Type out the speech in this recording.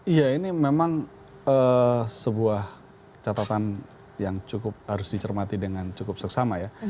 iya ini memang sebuah catatan yang cukup harus dicermati dengan cukup seksama ya